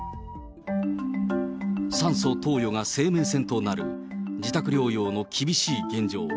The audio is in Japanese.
酸素投与が生命線となる自宅療養の厳しい現状。